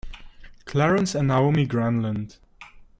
Clarence and Naomi Granlund.